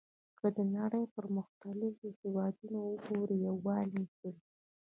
که د نړۍ پرمختللي هېوادونه وګورو یووالی یې کړی.